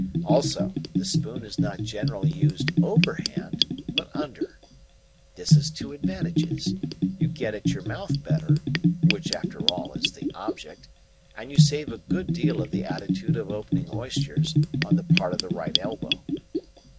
Also, the spoon is not generally used over hand, but under. This has two advantages. You get at your mouth better (which after all is the object), and you save a good deal of the attitude of opening oysters, on the part of the right elbow."